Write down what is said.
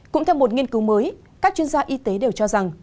cũng theo một nghiên cứu mới các chuyên gia y tế đều cho rằng